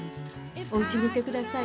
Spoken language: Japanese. おうちにいてください。